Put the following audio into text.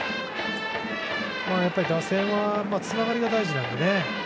やっぱり打線はつながりが大事なのでね。